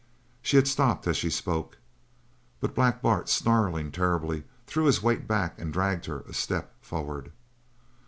She had stopped as she spoke, but Black Bart, snarling terribly, threw his weight back, and dragged her a step forward.